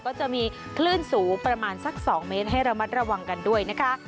ก็จะมีคลื่นสูงประมาณสัก๒เมตรให้ระมัดระวังกันด้วยนะคะ